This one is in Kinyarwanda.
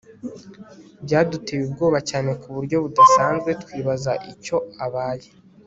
byaduteye ubwoba cyane kuburyo budasanzwe twibaza icyo abaye